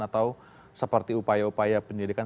atau seperti upaya upaya penyelidikan